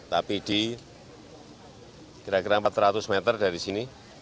tapi di kira kira empat ratus meter dari sini